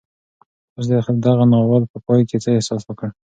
تاسو د دغه ناول په پای کې څه احساس وکړ؟